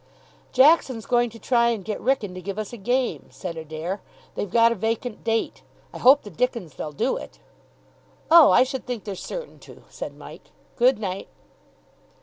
"Jackson's going to try and get Wrykyn to give us a game," said Adair. "They've got a vacant date. I hope the dickens they'll do it." "Oh, I should think they're certain to," said Mike. "Good night."